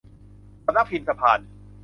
สำนักพิมพ์สะพาน